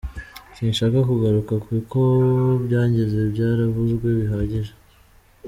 Sinshaka kugaruka ku uko byagenze byaravuzwe bihagije.